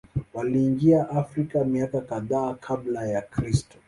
Waliingia Afrika miaka kadhaa Kabla ya Kristo.